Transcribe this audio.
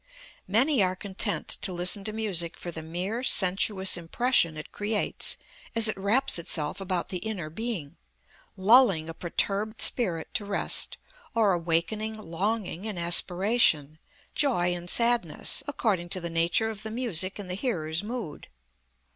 Many are content to listen to music for the mere sensuous impression it creates as it wraps itself about the inner being, lulling a perturbed spirit to rest, or awakening longing and aspiration, joy and sadness, according to the nature of the music and the hearer's mood.